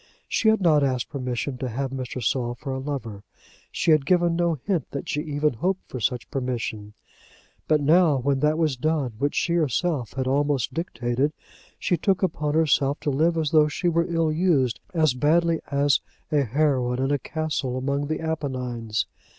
She had not asked permission to have Mr. Saul for a lover. She had given no hint that she even hoped for such permission. But now when that was done which she herself had almost dictated, she took upon herself to live as though she were ill used as badly as a heroine in a castle among the Apennines!